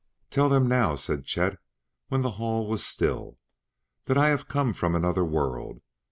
"Tell them now," said Chet when the hall was still, "that I have come from another world.